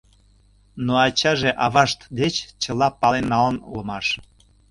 Но ачаже авашт деч чыла пален налын улмаш.